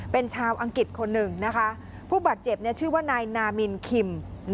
เป็นชาวอังกฤษคนหนึ่งนะคะผู้บาดเจ็บชื่อว่านายนามินคิม